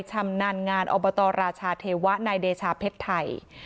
ชำนาญงานอบตราชาเทวะนายเดชาเพชรไทย